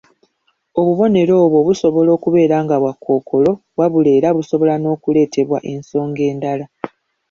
Obubonero obwo busobola okubeera nga bwa kookolo wabula era busobola n'okuleetebwawo ensonga endala